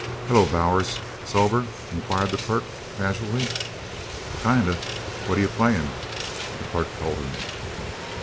"Hello, Bowers! Sober?" inquired the clerk, casually. "Kinda. What you playin'?" The clerk told him.